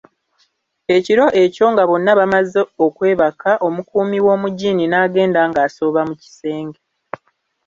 Ekiro ekyo nga bonna bamaze okwebaka omukuumi w'omugiini n'agenda ng'asooba mu kisenge.